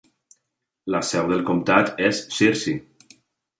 La seu del comtat és Searcy.